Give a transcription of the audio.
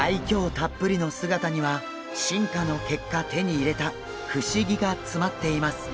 たっぷりの姿には進化の結果手に入れた不思議が詰まっています。